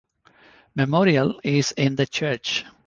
Memorial is in the church.